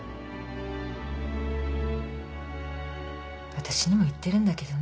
私にも言ってるんだけどね。